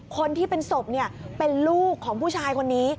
คนที่เป็นศพเป็นลูกของผู้ชายคนนี้